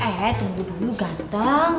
eh tunggu dulu ganteng